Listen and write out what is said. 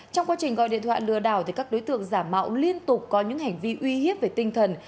trong quá trình gọi điện thoại lừa đảo các đối tượng giả mạo liên tục có những hành vi uy hiếp về tinh thần